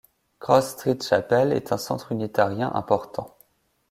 Cross Street Chapel est un centre unitarien important.